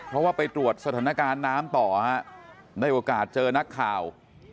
เพราะว่าไปตรวจสถานการณ์น้ำต่อฮะได้โอกาสเจอนักข่าว